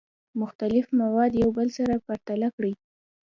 مختلف مواد یو بل سره پرتله کړئ.